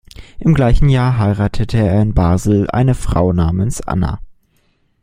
Im gleichen Jahr heiratete er in Basel eine Frau namens Anna.